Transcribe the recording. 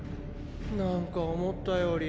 なんか思ったより。